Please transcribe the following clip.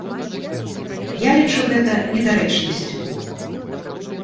Я лічу гэта недарэчнасцю.